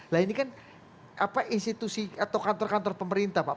nah ini kan institusi atau kantor kantor pemerintah pak